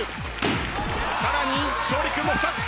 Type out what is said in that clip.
さらに勝利君も２つ。